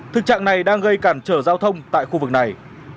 thực trạng này đang gây cản trở giao thông tại khu vực này